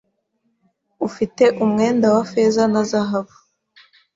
Ufite umwenda wa feza na zahabu